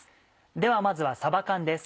ではまずはさば缶です。